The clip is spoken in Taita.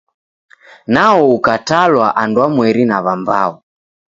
Nao ukatalwa andwamweri na w'ambao.